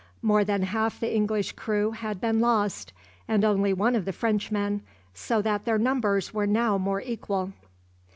More than half the English crew had been lost, and only one of the Frenchmen, so that their numbers were now more equal.